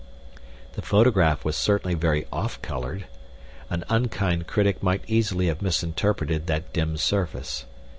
The photograph was certainly very off colored. An unkind critic might easily have misinterpreted that dim surface.